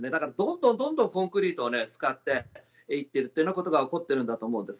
どんどんコンクリートを使っていっているということが起こっているんだと思うんです。